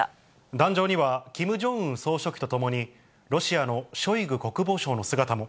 壇上にはキム・ジョンウン総書記と共に、ロシアのショイグ国防相の姿も。